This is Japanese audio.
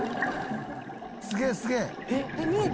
「すげえすげえ！」